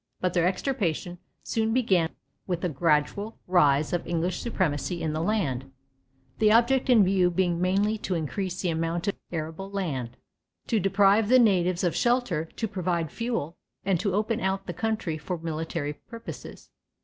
But their extirpation soon began with the gradual rise of English supremacy in the land, the object in view being mainly to increase the amount or arable land, to deprive the natives of shelter, to provide fuel, and to open out the country for military purposes.